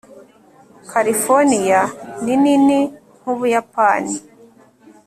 californiya ni nini nk'ubuyapani